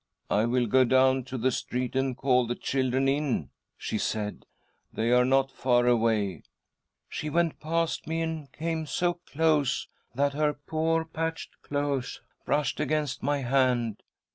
' I will go down to the street and call the children in,' she said ;' they are not far away.' She went past me and came so close that her poor patched clothes brushed against my hand.